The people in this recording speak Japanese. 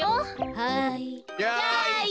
はい。